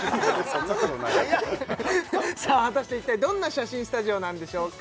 そんなことないよさあ果たして一体どんな写真スタジオなんでしょうか？